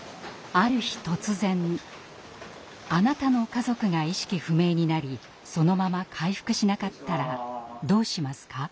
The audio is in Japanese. ある日突然あなたの家族が意識不明になりそのまま回復しなかったらどうしますか？